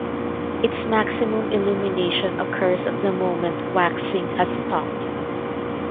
Its maximum illumination occurs at the moment waxing has stopped.